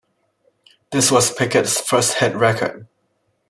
This was Pickett's first hit record.